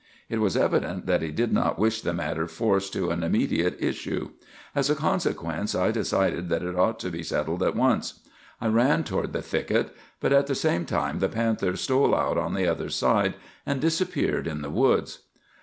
"It was evident that he did not wish the matter forced to an immediate issue. As a consequence, I decided that it ought to be settled at once. I ran toward the thicket; but at the same time the panther stole out on the other side, and disappeared in the woods.